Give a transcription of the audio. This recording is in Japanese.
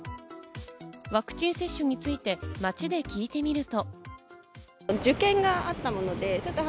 ワクチン接種について、街で聞いてみると。